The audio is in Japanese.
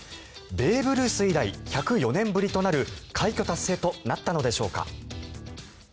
ベーブ・ルース以来１０４年ぶりとなる快挙達成となったのでしょうか。